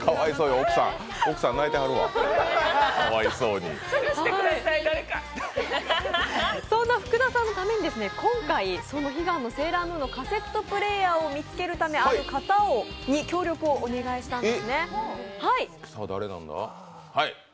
そんな福田さんのために今回、悲願のセーラームーンのカセットプレーヤーを探すためある方に協力をお願いしたんですね。